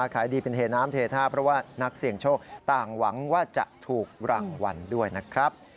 ขายดีเป็นเทน้ำเทท่าเพราะว่านักเสี่ยงโชคต่างหวังว่าจะถูกรางวัลด้วยนะครับ